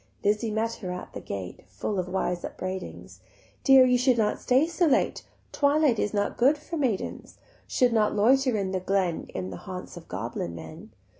Lizzie met her at the gate Full of wise upbraidings: "Dear, you should not stay so late, Twilight is not good for maidens; Should not loiter in the glen In the haunts of goblin men.